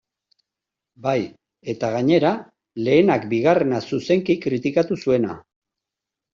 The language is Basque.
Bai, eta gainera, lehenak bigarrena zuzenki kritikatu zuena.